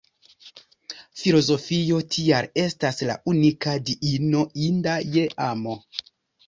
Filozofio tial estas la unika Diino inda je amo.